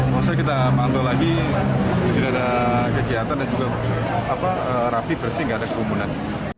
maksudnya kita mantu lagi tidak ada kegiatan dan juga rapi bersih tidak ada kerumunan